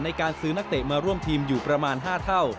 ในการซื้อนักเตะมาร่วมทีมอยู่ประมาณ๕เท่า